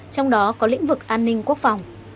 trong đó có lĩnh vực an ninh quốc phòng